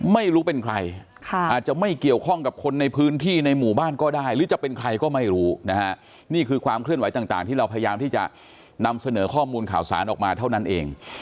ไม่รู้เป็นใครอาจจะไม่เกี่ยวข้องกับคนในพื้นที่ในหมู่บ้านก็ได้หรือจะเป็นใครก็ไม่รู้นะฮะนี่คือความเคลื่อนไหวต่างที่เราพยายามที่จะนำเสนอข้อมูลข่าวสารออกมาเท่านั้นเอง